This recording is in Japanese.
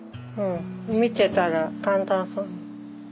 見てたら簡単そう。